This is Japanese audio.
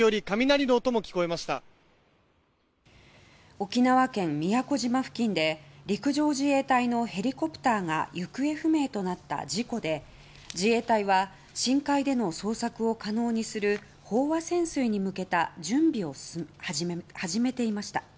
沖縄県宮古島付近で陸上自衛隊のヘリコプターが行方不明となった事故で自衛隊は深海での捜索を可能にする飽和潜水に向けた準備を始めていました。